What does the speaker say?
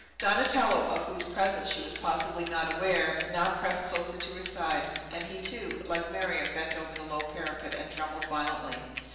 Donatello, of whose presence she was possibly not aware, now pressed closer to her side; and he, too, like Miriam, bent over the low parapet and trembled violently.